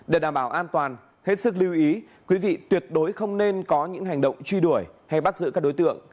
để đảm bảo an toàn hết sức lưu ý quý vị tuyệt đối không nên có những hành động truy đuổi hay bắt giữ các đối tượng